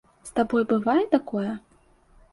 З табой бывае такое?